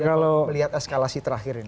kalau melihat eskalasi terakhir ini